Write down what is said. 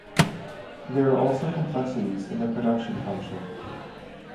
There are also complexities in the production function.